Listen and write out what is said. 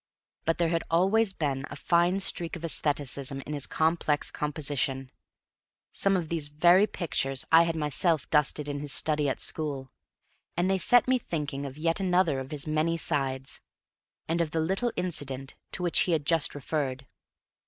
But there had always been a fine streak of æstheticism in his complex composition; some of these very pictures I had myself dusted in his study at school; and they set me thinking of yet another of his many sides and of the little incident to which he had just referred.